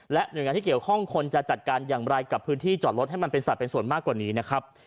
หน่วยงานที่เกี่ยวข้องควรจะจัดการอย่างไรกับพื้นที่จอดรถให้มันเป็นสัตว์เป็นส่วนมากกว่านี้นะครับ